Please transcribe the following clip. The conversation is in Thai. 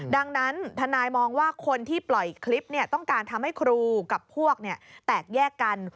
ดังนั้นทนายมองว่าคนที่ปล่อยคลิปต้องการทำให้ครูกับพวกแตกแยกกัน